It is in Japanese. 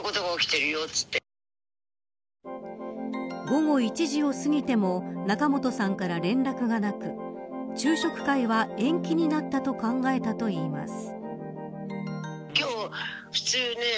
午後１時を過ぎても仲本さんから連絡がなく昼食会は延期になったと考えたといいます。